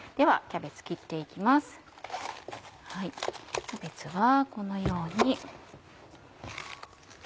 キャベツはこのように。